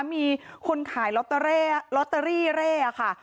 มีคนขายล็อตเตอรี่แร่ค่ะ